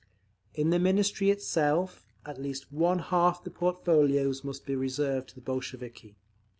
In the Ministry itself, at least one half the portfolios must be reserved to the Bolsheviki.